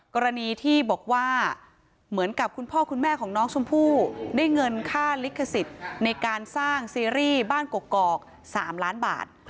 กรณีที่บอกว่าเหมือนกับคุณพ่อคุณแม่ของน้องชมพู่ได้เงินค่าลิขสิทธิ์ในการสร้างซีรีส์บ้านกกอก๓ล้านบาท